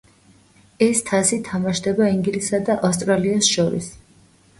ეს თასი თამაშდება ინგლისსა და ავსტრალიას შორის.